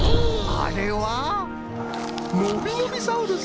あれはのびのびサウルス。